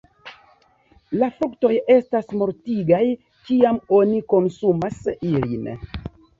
La fruktoj estas mortigaj, kiam oni konsumas ilin.